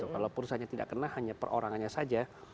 kalau perusahaannya tidak kena hanya perorangannya saja